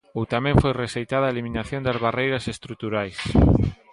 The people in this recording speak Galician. Ou tamén foi rexeitada a eliminación das barreiras estruturais.